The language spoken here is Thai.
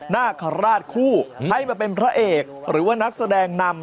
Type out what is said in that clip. นาคาราชคู่ให้มาเป็นพระเอกหรือว่านักแสดงนำ